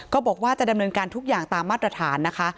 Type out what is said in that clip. บอกว่าจะดำเนินการทุกอย่างตามมาตรฐานนะคะ